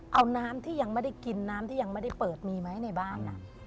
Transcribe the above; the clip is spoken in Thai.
เอาน้ำที่ยังไม่ได้กินน้ำที่ยังไม่ได้เปิดมีไหมในบ้าน